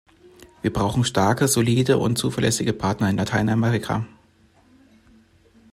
Wir brauchen starke, solide und zuverlässige Partner in Lateinamerika.